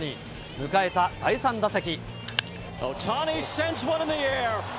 迎えた第３打席。